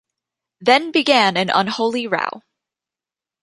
Then began an unholy row.